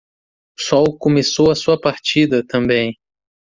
O sol começou a sua partida? também.